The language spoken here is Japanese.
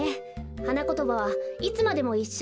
はなことばは「いつまでもいっしょ」。